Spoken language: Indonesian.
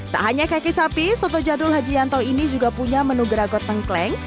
tak hanya kaki sapi soto jadul haji yanto ini juga punya menu gragot tengkleng